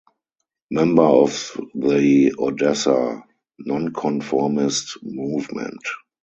Member of the Odessa nonconformist movement.